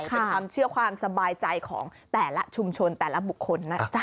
เป็นความเชื่อความสบายใจของแต่ละชุมชนแต่ละบุคคลนะจ๊ะ